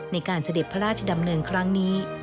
เสด็จพระราชดำเนินครั้งนี้